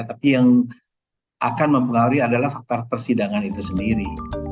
tapi yang akan mempengaruhi adalah faktor persidangan itu sendiri